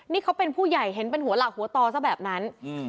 นี่เขาเป็นผู้ใหญ่เห็นเป็นหัวหลักหัวตอซะแบบนั้น